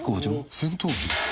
戦闘機？